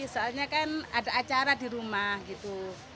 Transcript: soalnya kan ada acara di rumah gitu